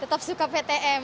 tetap suka ptm